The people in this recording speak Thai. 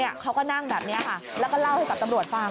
เขาก็นั่งแบบนี้ค่ะแล้วก็เล่าให้กับตำรวจฟัง